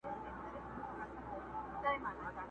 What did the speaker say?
چي غوږونو ته مي شرنګ د پایل راسي،